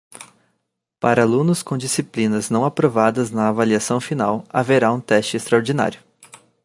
Para alunos com disciplinas não aprovadas na avaliação final, haverá um teste extraordinário.